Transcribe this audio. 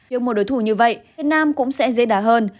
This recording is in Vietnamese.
nếu một đối thủ như vậy việt nam cũng sẽ dễ đá hơn